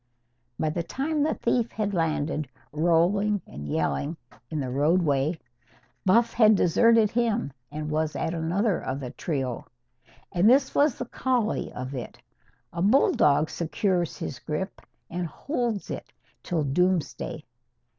By the time the thief had landed, rolling and yelling, in the roadway, Buff had deserted him, and was at another of the trio. And this was the collie of it. A bulldog secures his grip and holds it till doomsday.